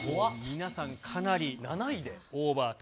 皆さん、かなりオーバーと。